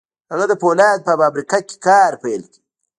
هغه د پولادو په فابريکه کې کار پيل کړ.